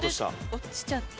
落ちちゃった。